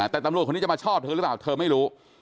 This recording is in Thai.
แต่ตำรวจคนนี้จะมาชอบเธอหรือเปล่าเธอไม่รู้